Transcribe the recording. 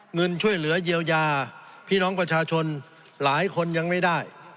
เงินช่วยเหลือเยียวยาพี่น้องประชาชนหลายคนยังไม่ได้